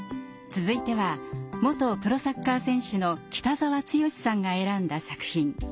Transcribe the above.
続いては元プロサッカー選手の北澤豪さんが選んだ作品。